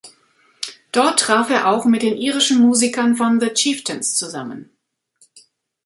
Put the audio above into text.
Dort traf er auch mit den irischen Musikern von The Chieftains zusammen.